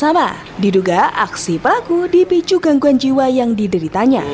sama diduga aksi pelaku dipicu gangguan jiwa yang dideritanya